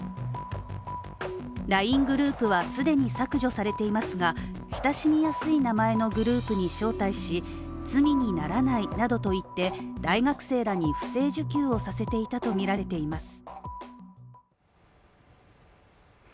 ＬＩＮＥグループは既に削除されていますが、親しみやすい名前のグループに招待し、罪にならないなどと言って、大学生らに不正受給をさせていたとみられています。